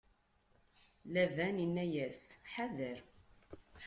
Laban inna-yas: Ḥadeṛ!